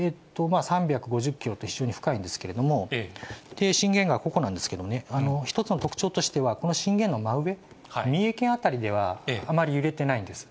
３５０キロって、非常に深いんですけど、震源がここなんですけどね、一つの特徴としては、この震源の真上、三重県辺りではあまり揺れていないんです。